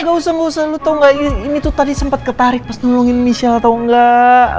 gak usah lu tau gak ini tuh tadi sempet ketarik pas nolongin michelle tau gak